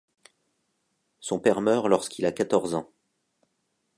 Son père meurt lorsqu'il a quatorze ans.